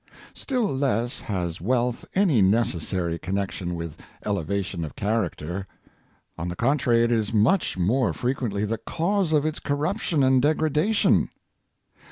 Still less has wealth any necessary connection with elevation of character. On the contrary, it is much more frequently the cause of its corruption and degra dation.